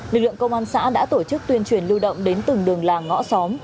lực lượng công an xã đã tổ chức tuyên truyền lưu động đến từng đường làng ngõ xóm